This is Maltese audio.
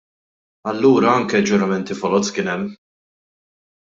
Allura anke ġuramenti foloz kien hemm!